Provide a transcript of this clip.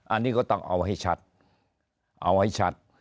อันนี้ก็ต้องเอาให้ชัดเอาให้ชัด